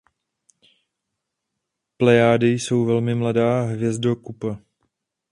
Plejády jsou velmi mladá hvězdokupa.